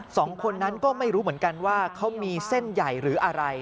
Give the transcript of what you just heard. สองคนนั้นก็ไม่รู้เหมือนกันว่าเขามีเส้นใหญ่หรืออะไร